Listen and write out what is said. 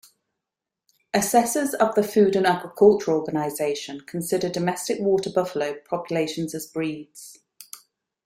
Assessors of the Food and Agriculture Organisation consider domestic water buffalo populations as breeds.